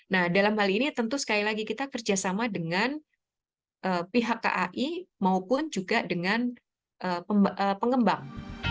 nah dalam hal ini tentu sekali lagi kita kerjasama dengan pihak kai maupun juga dengan pengembang